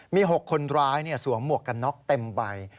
มี๖คนร้ายสวมหมวกกันน็อกเต็มใบ